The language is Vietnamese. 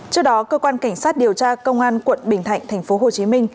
trước đó cơ quan cảnh sát điều tra công an quận bình thạnh tp hcm